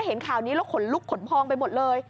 เห็นข่าวนี้แล้วขนลุกขนพองไปหมดเลย